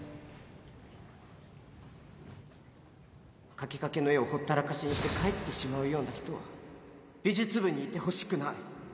描きかけの絵をほったらかしにして帰ってしまうような人は美術部にいてほしくない